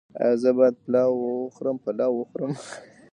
ایا زه باید پلاو وخورم؟